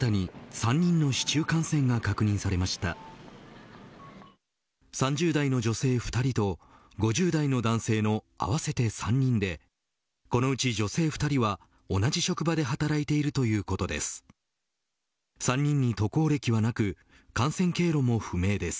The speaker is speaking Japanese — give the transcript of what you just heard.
３０代の女性２人と５０代の男性の合わせて３人でこのうち女性２人は同じ職場で働いているということです。